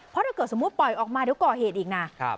เพราะถ้าเกิดสมมุติปล่อยออกมาเดี๋ยวก่อเหตุอีกนะ